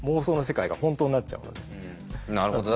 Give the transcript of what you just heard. なるほど。